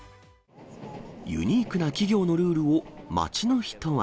ユニークな企業のルールを街の人は。